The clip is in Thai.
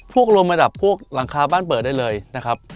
รวมระดับพวกหลังคาบ้านเปิดได้เลยนะครับ